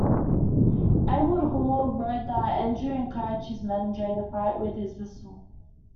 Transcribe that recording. Edward Hall wrote that Andrew encouraged his men during the fight with his whistle.